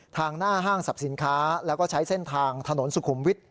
ทางหน้าห้างสรรพสินค้าแล้วก็ใช้เส้นทางถนนสุขุมวิทย